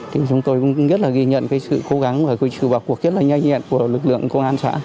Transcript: thì chúng tôi cũng rất là ghi nhận cái sự cố gắng và có sự vào cuộc rất là nhanh nhẹn của lực lượng công an xã